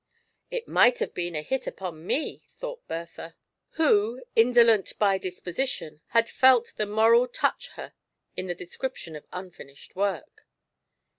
"It might have been a hit upon me," thought Bertha, 3 34 GIANT SLOTH. who, indolent by disposition, had felt the moral touch her in the description of unfinished work.